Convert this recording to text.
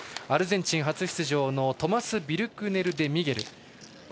アルゼンチン初出場トマス・ビルクネルデミゲル。